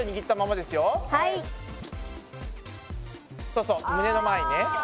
そうそう胸の前にね。